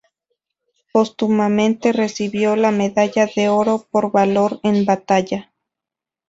Póstumamente recibió la Medalla de Oro por Valor en batalla.